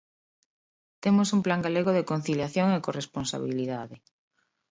Temos un Plan galego de conciliación e corresponsabilidade.